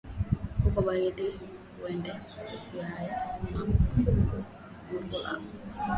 Kuko baridi wende uvale mupila